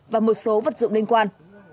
và một số vật dụng liên quan